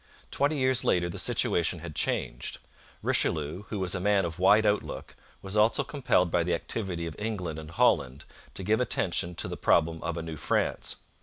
Twenty years later the situation had changed. Richelieu, who was a man of wide outlook, was also compelled by the activity of England and Holland to give attention to the problem of a New France.